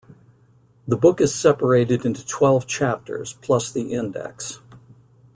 The book is separated into twelve chapters, plus the index.